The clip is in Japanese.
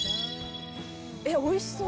「えっおいしそう」